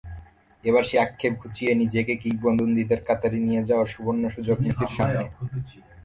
এবার সেই আক্ষেপ ঘুচিয়ে নিজেকে কিংবদন্তিদের কাতারে নিয়ে যাওয়ার সুবর্ণ সুযোগ মেসির সামনে।